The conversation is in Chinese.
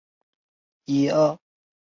布拉萨克。